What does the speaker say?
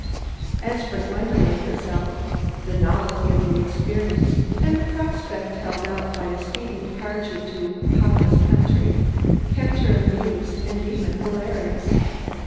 As for Gwendolen herself, the novelty of the experience and the prospect held out by a speedy departure to "papa's country" kept her amused and even hilarious.